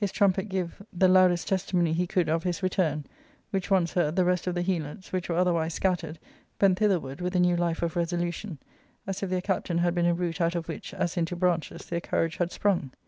— Book L trumpet g^ve the loudest testimony he could of his return ; which once heard, the rest of the Helots, which were other wise scattered, bent thitherward with a new hfe of resolution, as if their Captain had been a root out of which, as into branches, their courage had sprung.